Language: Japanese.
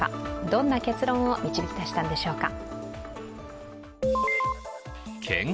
どんな結論を導き出したんでしょうか。